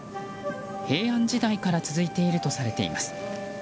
平安時代から続いているとされています。